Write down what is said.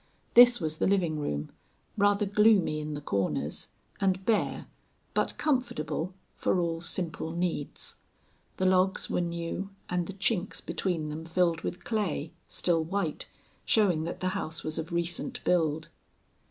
This was the living room, rather gloomy in the corners, and bare, but comfortable, for all simple needs. The logs were new and the chinks between them filled with clay, still white, showing that the house was of recent build.